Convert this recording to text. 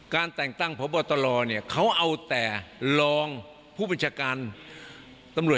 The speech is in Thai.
แต่งตั้งพบตรเนี่ยเขาเอาแต่รองผู้บัญชาการตำรวจ